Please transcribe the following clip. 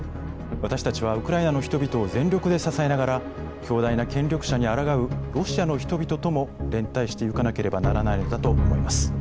私たちはウクライナの人々を全力で支えながら強大な権力者にあらがうロシアの人々とも連帯してゆかなければならないのだと思います。